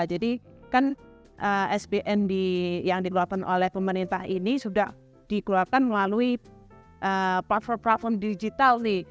jadi kan sbn yang dilakukan oleh pemerintah ini sudah dikeluarkan melalui platform platform digital nih